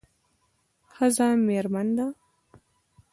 ښځه میرمن ده